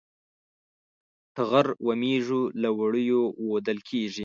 ټغر و مېږو له وړیو وُودل کېږي.